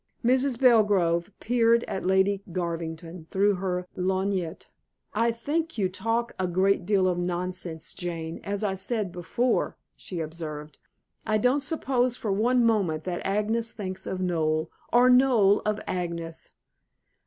Mrs. Belgrove peered at Lady Garvington through her lorgnette. "I think you talk a great deal of nonsense, Jane, as I said before," she observed. "I don't suppose for one moment that Agnes thinks of Noel, or Noel of Agnes."